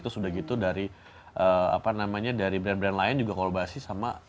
terus udah gitu dari apa namanya dari brand brand lain juga kolaborasi sama